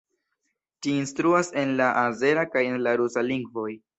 Ĝi instruas en la azera kaj en la rusa lingvoj.